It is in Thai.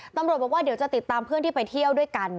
ตำรวจบอกว่าเดี๋ยวจะติดตามเพื่อนที่ไปเที่ยวด้วยกัน